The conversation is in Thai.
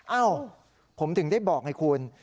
เอ้าผมถึงได้บอกไงคุณ